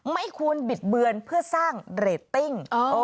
ไม่ควรบิดเบือนเพื่อสร้างเรตติ้ง